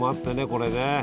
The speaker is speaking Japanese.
これね。